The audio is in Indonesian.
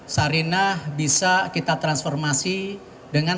sarinah ke depan